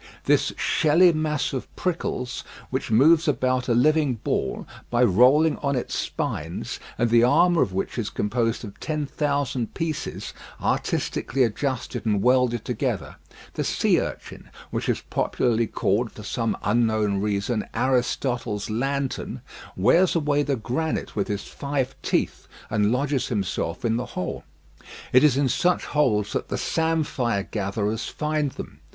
This shelly mass of prickles, which moves about a living ball, by rolling on its spines, and the armour of which is composed of ten thousand pieces, artistically adjusted and welded together the sea urchin, which is popularly called, for some unknown reason, "Aristotle's lantern," wears away the granite with his five teeth, and lodges himself in the hole. It is in such holes that the samphire gatherers find them.